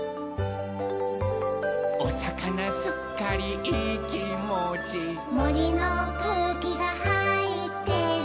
「おさかなすっかりいいきもち」「もりのくうきがはいってる」